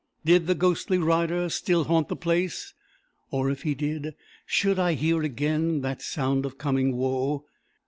Did the ghostly rider still haunt the place? or, if he did, should I hear again that sound of coming woe?